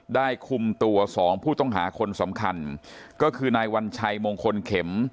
คุมตัวสองผู้ต้องหาคนสำคัญก็คือนายวัญชัยมงคลเข็ม